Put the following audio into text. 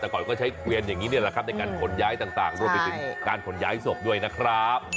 แต่ก่อนก็ใช้เกวียนอย่างนี้นี่แหละครับในการขนย้ายต่างรวมไปถึงการขนย้ายศพด้วยนะครับ